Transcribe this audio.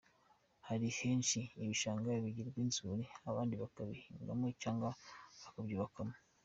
Hari henshi ibishanga bigirwa inzuri, abandi bakabihingamo cyangwa bakabyubakamo.